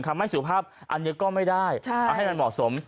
คำให้สวภาพอันนี้ก็ไม่ได้ใช่เอาให้มันเหมาะสม